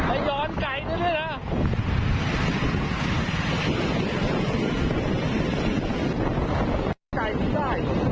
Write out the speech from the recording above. ไอ้ย้อนไก่เท่าไหร่ล่ะ